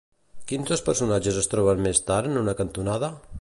Quins dos personatges es troben més tard en una cantonada?